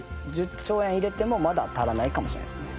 １０兆円入れてもまだ足らないかもしれないですね。